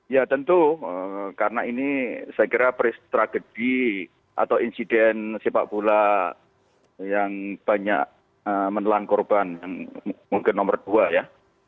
ya tentu karena ini saya kira tragedi atau insiden sepak bola yang banyak menelan korban mungkin nomor dua ya